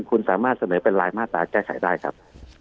คุณสามารถเสนอเป็นรายมาตราแก้ไขได้ครับ